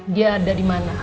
dia ada di mana